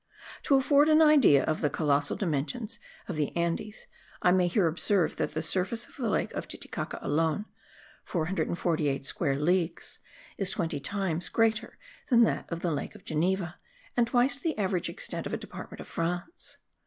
To afford an idea of the colossal dimensions of the Andes, I may here observe that the surface of the lake of Titicaca alone (448 square sea leagues) is twenty times greater than that of the Lake of Geneva, and twice the average extent of a department of France.